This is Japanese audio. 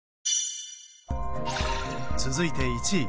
続いて１位。